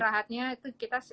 ada dirahatnya itu kita